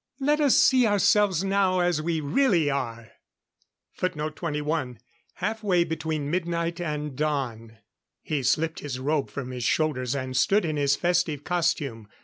"Let us see ourselves now as we really are." [Footnote 21: Half way between midnight and dawn.] He slipped his robe from his shoulders and stood in his festive costume.